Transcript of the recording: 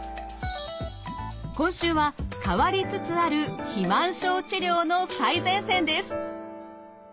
今週は変わりつつある肥満症治療の最前線です。